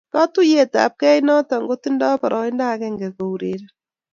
katuyet ab kee inoton kotindo baraindo ageng koureren .